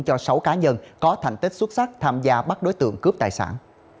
cho sáu cá nhân có thành tích xuất sắc tham gia bắt đối tượng cướp tài sản